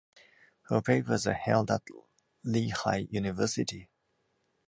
Her papers are held at Lehigh University.